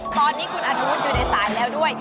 ตอนนี้คุณอนุอยู่ในสายแล้วด้วย